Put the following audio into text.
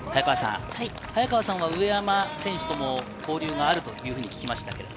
早川さんは上山選手とも交流があるというふうに聞きましたけど。